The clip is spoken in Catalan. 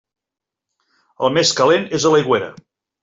El més calent és a l'aigüera.